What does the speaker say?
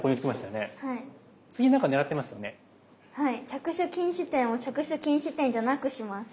着手禁止点を着手禁止点じゃなくします。